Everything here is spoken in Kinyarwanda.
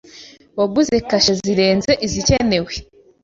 Waguze kashe zirenze izikenewe.